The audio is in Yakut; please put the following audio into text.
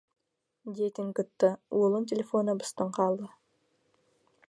диэтин кытта уолун телефона быстан хаалла